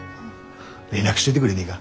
連絡しといでくれねえが？